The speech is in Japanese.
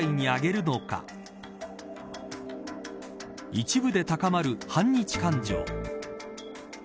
一部で高まる反日感情。